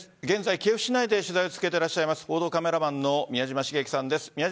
現在、キエフ市内で取材を続けていらっしゃいます報道カメラマンの宮嶋茂樹さんです。